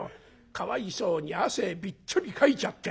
かわいそうに汗びっちょりかいちゃって。